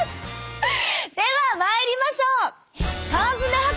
ではまいりましょう！